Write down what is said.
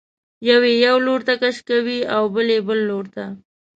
یو یې یو لورته کش کوي او بل یې بل لورته.